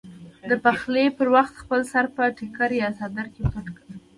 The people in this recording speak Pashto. د پخلي پر وخت خپل سر په ټیکري یا څادر کې پټ کړئ.